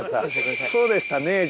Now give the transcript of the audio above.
「そうでしたね」